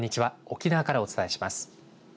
沖縄からお伝えします。